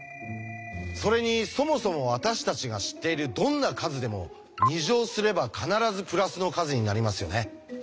それにそもそも私たちが知っているどんな数でも２乗すれば必ずプラスの数になりますよね。